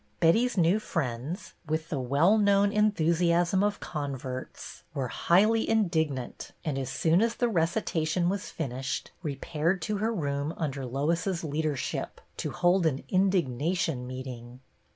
Betty's new friends, with the well known enthusiasm of converts, were highly indig nant, and as soon as the recitation was finished, repaired to her room under Lois's leadership, to hold an indignation meeting.